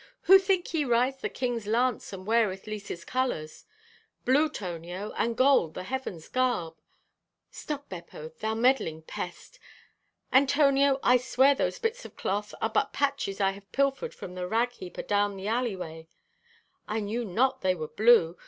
Who think ye rides the King's lance and weareth Lisa's colors? Blue, Tonio, and gold, the heavens' garb—stop, Beppo, thou meddling pest! Antonio, I swear those bits of cloth are but patches I have pilfered from the ragheap adown the alleyway. I knew not they were blue.